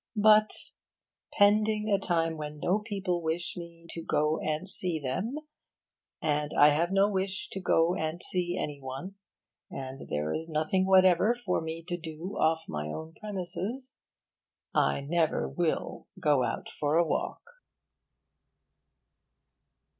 But, pending a time when no people wish me to go and see them, and I have no wish to go and see any one, and there is nothing whatever for me to do off my own premises, I never will go out for a walk.